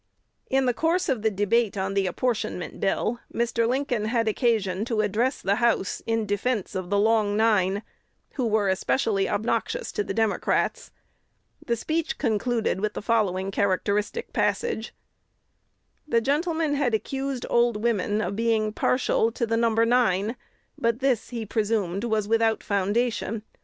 In the course of the debate on the Apportionment Bill, Mr. Lincoln had occasion to address the House in defence of "The Long Nine," who were especially obnoxious to the Democrats. The speech concluded with the following characteristic passage: "The gentleman had accused old women of being partial to the number nine; but this, he presumed, was without foundation.